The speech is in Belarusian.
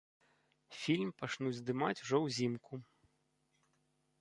Фільм пачнуць здымаць ужо ўзімку.